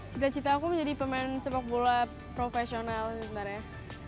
cita citaku menjadi pemain sepak bola profesional sebenarnya